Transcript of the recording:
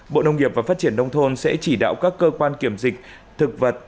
bộ nông nghiệp và phát triển nông thôn sẽ chỉ đạo các cơ quan kiểm dịch thực vật